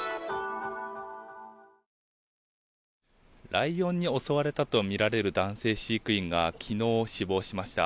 ライオンに襲われたとみられる男性飼育員が昨日、死亡しました。